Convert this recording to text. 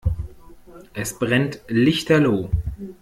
Es brennt lichterloh.